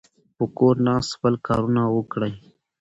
په کور ناست خپل کارونه وکړئ.